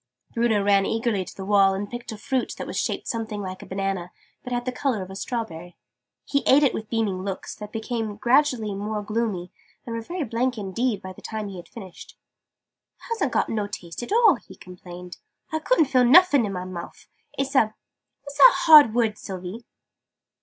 Bruno ran eagerly to the wall, and picked a fruit that was shaped something like a banana, but had the colour of a strawberry. He ate it with beaming looks, that became gradually more gloomy, and were very blank indeed by the time he had finished. "It hasn't got no taste at all!" he complained. "I couldn't feel nuffin in my mouf! It's a what's that hard word, Sylvie?"